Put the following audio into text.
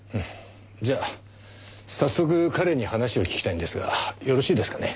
じゃあ早速彼に話を聞きたいんですがよろしいですかね？